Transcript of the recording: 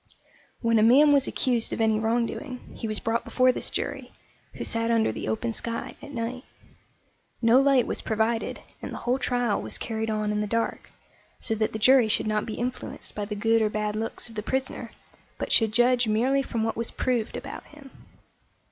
When a man was accused of any wrongdoing, he was brought before this jury, who sat under the open sky at night. No light was provided, and the whole trial was carried on in the dark, so that the jury should not be influenced by the good or bad looks of the prisoner, but should judge merely from what was proved about him.